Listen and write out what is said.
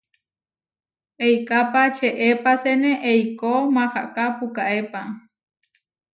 Eikápa čeepaséne eikó maháka pukaépa.